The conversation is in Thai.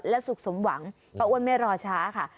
และสุขสมหวังป้าอ้วนไม่รอช้าค่ะ